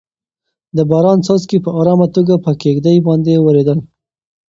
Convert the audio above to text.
د باران څاڅکي په ارامه توګه په کيږديو باندې ورېدل.